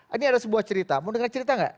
ini ada sebuah cerita mau dengar cerita nggak